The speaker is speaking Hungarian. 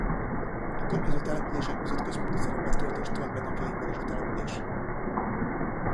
A környező települések között központi szerepet tölt és tölt be napjainkban is a település.